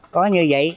có như vậy